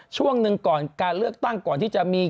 ช่วงหนึ่งก่อนการเลือกตั้งก่อนที่จะมี